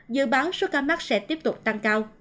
dự báo số ca mắc sẽ tiếp tục tăng cao